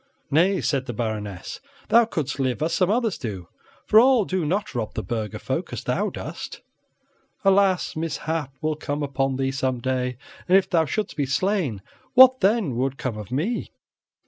"Nay," said the Baroness, "thou couldst live as some others do, for all do not rob the burgher folk as thou dost. Alas! mishap will come upon thee some day, and if thou shouldst be slain, what then would come of me?"